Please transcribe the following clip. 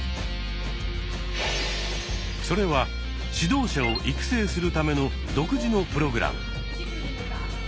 それは指導者を育成するための独自のプログラム。